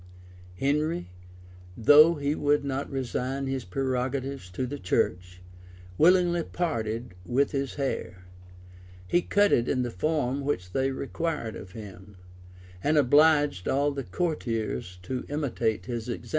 Henry, though he would not resign his prerogatives to the church willingly parted with his hair: he cut it in the form which they required of him, and obliged all the courtiers to imitate his example.